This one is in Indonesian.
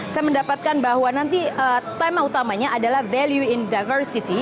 saya mendapatkan bahwa nanti tema utamanya adalah value in diversity